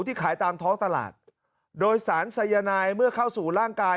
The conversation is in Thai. ที่ขายตามท้องตลาดโดยสารสายนายเมื่อเข้าสู่ร่างกาย